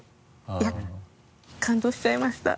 感動しちゃいました。